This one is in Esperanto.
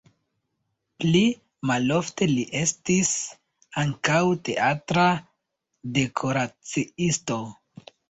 Pli malofte li estis ankaŭ teatra dekoraciisto.